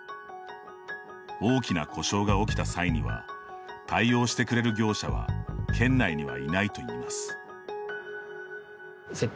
大きな故障が起きた際には対応してくれる業者は県内にはいないといいます。